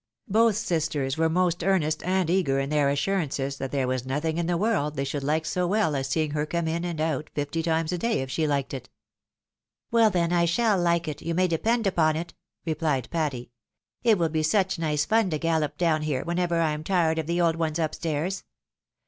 Both sisters were most earnest and eager in their assurances that there was nothing in the world they should hke so well as seeing her come in and out fifty times a day, if she hked it. " Well, then, I shall hke it, you may depend upon it," replied Patty. " It will be such nice fun to gallop down here, whenever I am tired of the old ones up stairs.